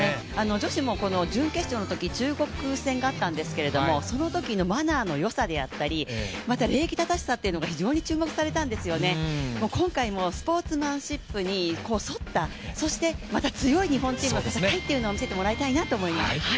女子も準決勝のとき中国戦があったんですけれどもそのときのマナーの良さであったり、また礼儀正しさというのが非常に注目されたんですよね、今回もスポーツマンシップに沿ったそしてまた強い日本チームの戦いを見せてもらいたいと思います。